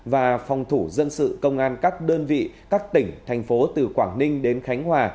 và phòng thủ dân sự công an các đơn vị các tỉnh thành phố từ quảng ninh đến khánh hòa